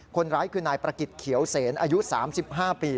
คนร้ายคือนายประกิจเขียวเสนอายุ๓๕ปี